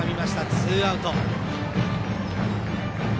ツーアウト。